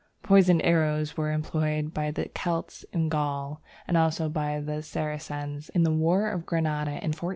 Poisoned arrows were employed by the Celts in Gaul, and also by the Saracens in the War of Granada in 1484.